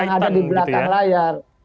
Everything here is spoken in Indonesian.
yang ada di belakang layar